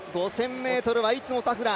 ５０００ｍはいつもタフだ。